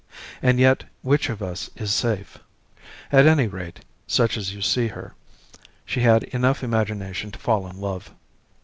And yet which of us is safe? At any rate, such as you see her, she had enough imagination to fall in love.